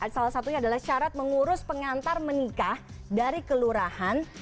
salah satunya adalah syarat mengurus pengantar menikah dari kelurahan